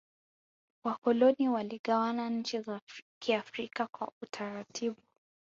wakoloni waligawana nchi za kiafrika kwa utaratibu